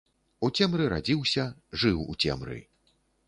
У цемры радзіўся, жыў у цемры.